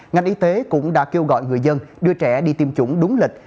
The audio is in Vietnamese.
ngành y tế cũng đã kêu gọi người dân đưa trẻ đi tiêm chủng đúng lịch